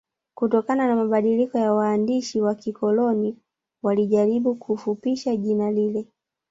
kutokana na mabadiliko ya waandishi wa kikoloni walijaribu kufupisha jina lile